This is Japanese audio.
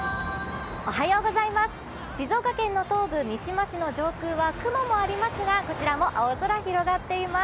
静岡県の東部、三島市の上空は雲もありますがこちらも青空広がっています。